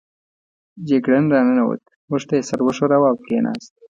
جګړن را ننوت، موږ ته یې سر و ښوراوه او کېناست.